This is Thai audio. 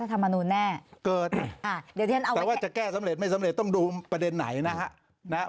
แต่ว่าจะแก้สำเร็จไม่สำเร็จต้องดูประเด็นไหนนะครับ